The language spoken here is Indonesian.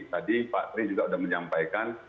tadi pak tri juga sudah menyampaikan